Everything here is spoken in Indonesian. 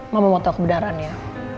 mama mau tahu kebenarannya